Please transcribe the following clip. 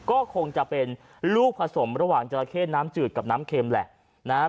ก็คงจะเป็นลูกผสมระหว่างจราเข้น้ำจืดกับน้ำเค็มแหละนะฮะ